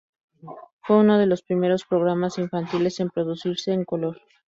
Fue uno de los primeros programas infantiles en producirse en color.